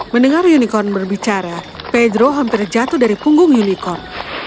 mendengar unicorn berbicara pedro hampir jatuh dari punggung unicorn